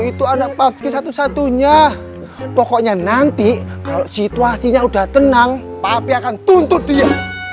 itu anak pavi satu satunya pokoknya nanti kalau situasinya udah tenang pavi akan tuntut dia